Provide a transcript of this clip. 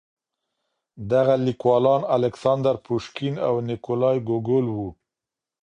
دغه ليکوالان الکساندر پوشکين او نېکولای ګوګول وو.